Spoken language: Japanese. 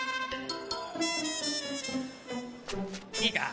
いいか？